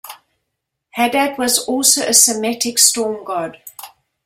Hadad was also a Semitic storm-god.